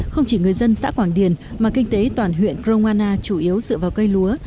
không chỉ người dân xã quảng điền mà kinh tế toàn huyện kromana chủ yếu dựa vào cây lúa